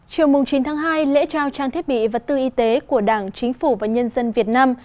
chiều chín tháng hai lễ trao trang thiết bị vật tư y tế của đảng chính phủ và nhân dân việt nam